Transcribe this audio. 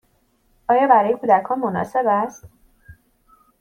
آیا برای کودکان مناسب است؟